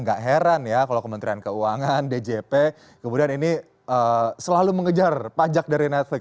gak heran ya kalau kementerian keuangan djp kemudian ini selalu mengejar pajak dari netflix